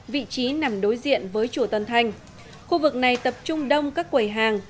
vị trí nằm đối diện với chùa tân thanh khu vực này tập trung đông các quầy hàng